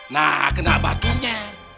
nah kenapa tuh nye